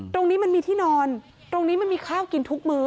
ตรงนี้มันมีที่นอนตรงนี้มันมีข้าวกินทุกมื้อ